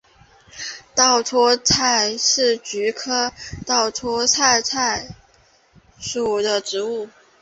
稻槎菜为菊科稻搓菜属的植物。